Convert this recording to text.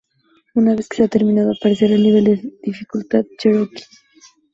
Una vez que sea terminado aparecerá el nivel de dificultad "Cherokee".